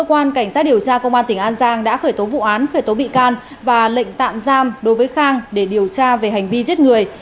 cơ quan cảnh sát điều tra công an tỉnh an giang đã khởi tố vụ án khởi tố bị can và lệnh tạm giam đối với khang để điều tra về hành vi giết người